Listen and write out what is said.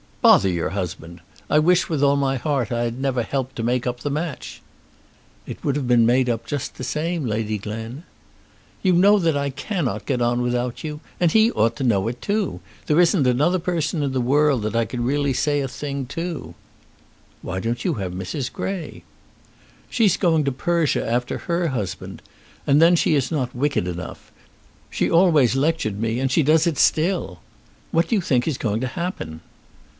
"Bother your husband! I wish with all my heart I had never helped to make up the match." "It would have been made up just the same, Lady Glen." "You know that I cannot get on without you. And he ought to know it too. There isn't another person in the world that I can really say a thing to." "Why don't you have Mrs. Grey?" "She's going to Persia after her husband. And then she is not wicked enough. She always lectured me, and she does it still. What do you think is going to happen?"